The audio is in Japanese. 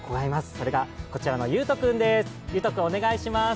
それがこちらのゆうと君です。